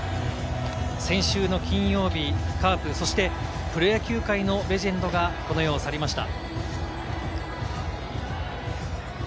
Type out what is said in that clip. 先週の金曜日、カープ、そしてプロ野球界のレジェンドがこの世を去りました。